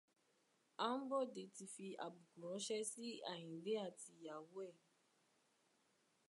Aḿbọ̀dé ti fi àbùkù ránṣẹ́ sí Àyìndé àti ìyàwó ẹ̀